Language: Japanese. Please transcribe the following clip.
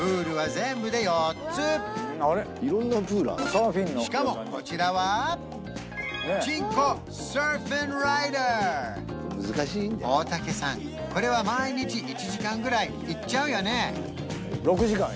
さらにしかもこちらは大竹さんこれは毎日１時間ぐらいいっちゃうよね？